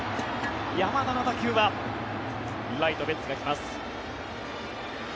山田の打球はライト、ベッツが来ます。